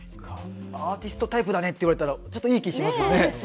アーティストタイプだねって言われたらちょっといい気しますよね。